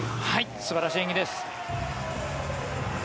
素晴らしい演技です。